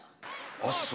あっ、そう？